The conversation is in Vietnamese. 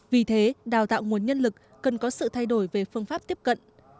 vì thế đào tạo nguồn nhân lực cần có sự thay đổi về phương pháp tiếp cận